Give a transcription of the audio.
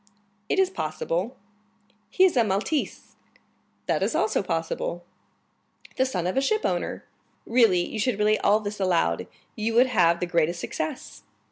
"It is possible." "He is a Maltese." "That is also possible. "The son of a shipowner." "Really, you should relate all this aloud, you would have the greatest success."